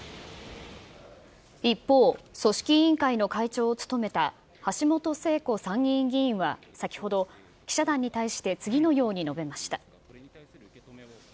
一方、組織委員会の会長を務めた橋本聖子参議院議員は先ほど、記者団に対して次のように述べました。